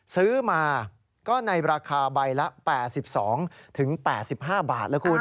ซื้อมาก็ในราคาใบละ๘๒๘๕บาทแล้วคุณ